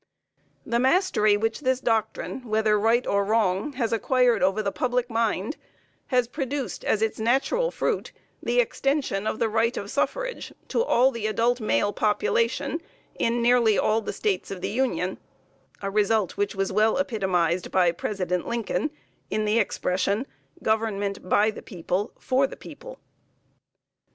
The mastery which this doctrine, whether right or wrong, has acquired over the public mind, has produced as its natural fruit, the extension of the right of suffrage to all the adult male population in nearly all the states of the Union; a result which was well epitomized by President Lincoln, in the expression, "government by the people for the people."